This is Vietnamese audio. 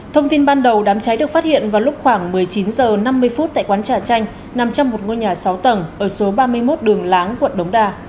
thông tin ban đầu đám cháy được phát hiện vào lúc khoảng một mươi chín h năm mươi phút tại quán trà chanh nằm trong một ngôi nhà sáu tầng ở số ba mươi một đường láng quận đống đa